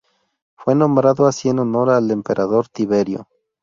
Fue nombrado así en honor del Emperador Tiberio.